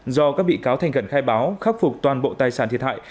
do các bị cáo thành khẩn khai báo khắc phục toàn bộ tài sản thiệt hại